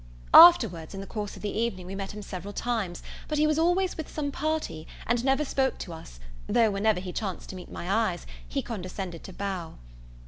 Afterwards, in the course of the evening, we met him several times; but he was always with some party, and never spoke to us, though whenever he chanced to meet my eyes, he condescended to bow.